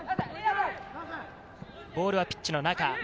ボールはピッチの中。